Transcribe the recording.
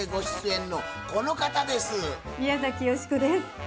宮崎美子です。